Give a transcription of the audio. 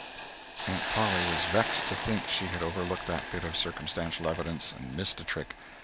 Aunt Polly was vexed to think she had overlooked that bit of circumstantial evidence, and missed a trick.